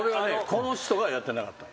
この人がやってなかったんですよ。